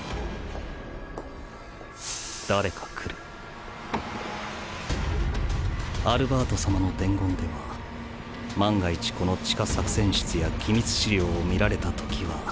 コツコツコツコツアルバート様の伝言では万が一この地下作戦室や機密資料を見られたときは